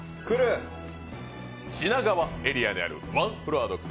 品川エリアであるワンフロア独占！